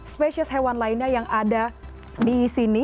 spesies hewan lainnya yang ada di sini